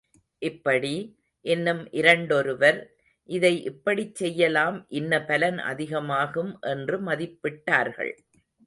இப்படி, இன்னும் இரண்டொருவர், இதை இப்படிச் செய்யலாம் இன்ன பலன் அதிகமாகும் என்று மதிப்பிட்டார்கள்.